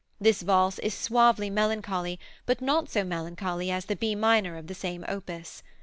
This valse is suavely melancholy, but not so melancholy as the B minor of the same opus.